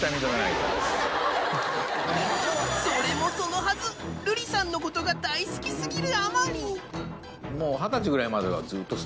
それもそのはずるりさんのことが大好き過ぎる